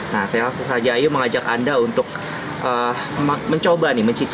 nah saya langsung saja ayo mengajak anda untuk mencoba nih mencicipi